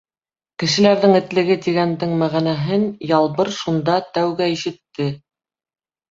Кешеләрҙең этлеге тигәндең мәғәнәһен Ялбыр шунда тәүгә ишетте.